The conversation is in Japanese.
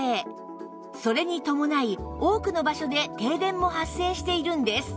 それに伴い多くの場所で停電も発生しているんです